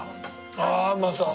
ああうまそう。